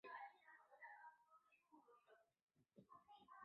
巴布亚新几内亚外长阿巴尔萨姆随后证实没打算承认中华民国政权。